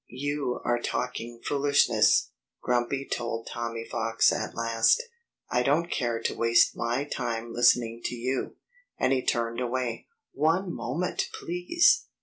"You are talking foolishness," Grumpy told Tommy Fox at last. "I don't care to waste my time listening to you." And he turned away. "One moment, please!"